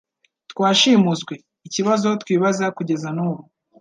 Twashimuswe ikibazo twibaza kugeza nubu